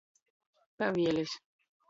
Pavielis.